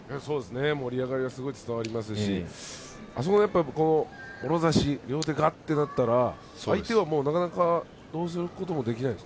盛り上がりがすごく伝わりますしもろ差し両手いったら相手はなかなかどうすることもそうなんです。